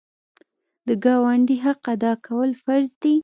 د ګاونډي حق ادا کول فرض دي.